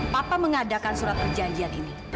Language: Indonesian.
papa mengadakan surat perjanjian ini